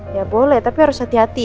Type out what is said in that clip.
ya boleh tapi harus hati hati